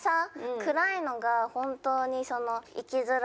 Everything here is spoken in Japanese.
暗いのが本当にその生きづらいし。